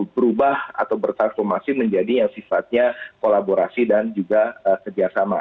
berubah atau bertransformasi menjadi yang sifatnya kolaborasi dan juga kerjasama